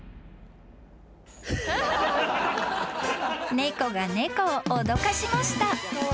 ［猫が猫を脅かしました］